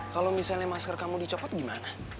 kalau misalnya masker kamu dicopot gimana